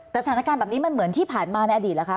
แต่สถานการณ์แบบนี้มันเหมือนที่ผ่านมาในอดีตเหรอคะ